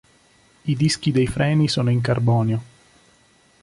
I dischi dei freni sono in carbonio.